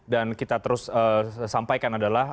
dan kita terus sampaikan adalah